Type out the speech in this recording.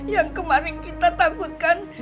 yang kemarin kita takutkan